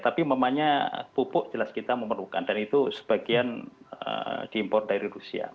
tapi memangnya pupuk jelas kita memerlukan dan itu sebagian diimpor dari rusia